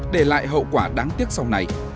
để lại hậu quả đáng tiếc sau này